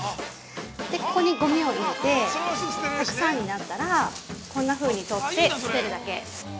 ここにごみを入れて、たくさんになったら、こんなふうに取って、捨てるだけ。